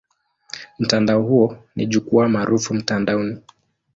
Mtandao huo ni jukwaa maarufu mtandaoni.